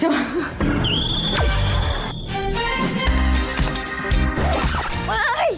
ชม